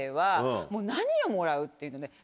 何をもらう？っていうので。